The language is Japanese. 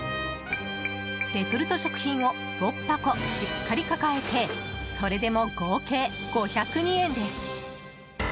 レトルト食品を６箱しっかり抱えてそれでも、合計５０２円です。